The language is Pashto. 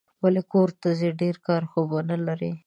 ولي کورته ځې ؟ ډېر کار خو به نه لرې